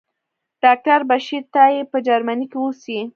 ډاکټر بشیر تائي په جرمني کې اوسي.